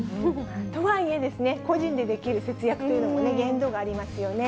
とはいえですね、個人でできる節約というのもね、限度がありますよね。